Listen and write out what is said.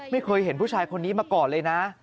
ไม่เคยเห็นผู้ชายคนนี้มาก่อนเลยนะ